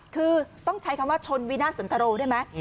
คือต้องใช้คำว่าชนวินาสันตรูใช่ไหม